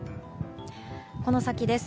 この先です。